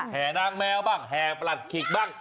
แห่นางแมวบ้างแห่ประหลัดขิกบ้าง